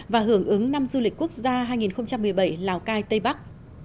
và hưởng ứng năm du lịch quốc gia hai nghìn một mươi bảy lào cai tây bắc